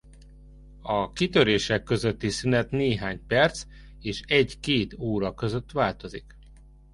A kitörések közötti szünet néhány perc és egy-két óra között változik.